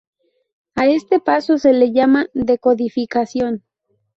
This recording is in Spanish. A este paso se le llama decodificación.